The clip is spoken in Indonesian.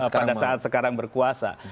pada saat sekarang berkuasa